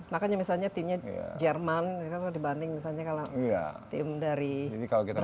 makanya misalnya timnya jerman dibanding misalnya kalau tim dari brazil yang semuanya bintang